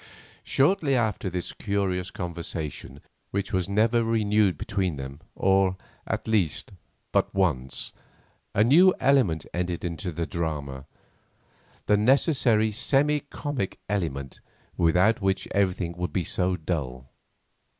Shortly after this curious conversation, which was never renewed between them, or, at least, but once, a new element entered into the drama, the necessary semi comic element without which everything would be so dull.